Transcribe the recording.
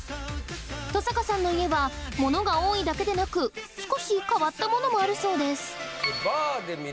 登坂さんの家は物が多いだけでなく少し変わった物もあるそうです